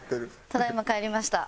ただ今帰りました。